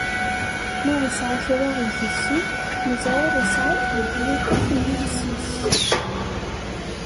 Ma isɛa kra igezzem, neẓra isɛa-t deg yixef n yiles-is.